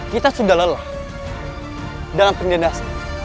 kita sudah lelah dalam pendinasan